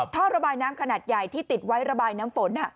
ท่อระบายน้ำขนาดใหญ่ที่ติดไว้ระบายน้ำฝน